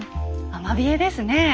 アマビエですねえ。